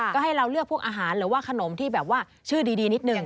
ก็ให้เราเลือกพวกอาหารหรือว่าขนมที่แบบว่าชื่อดีนิดนึง